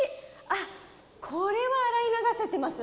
あっ、これは洗い流せてます。